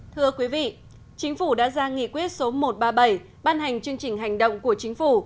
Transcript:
thưa quý vị chính phủ đã ra nghị quyết số một trăm ba mươi bảy ban hành chương trình hành động của chính phủ